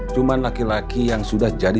cuma laki laki yang sudah jadi